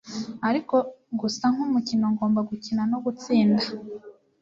ariko gusa nkumukino ngomba gukina no gutsinda.